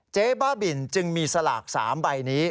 เจ๊บ้าบินจึงมีสลาก๓ใบนี้